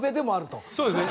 そうですね。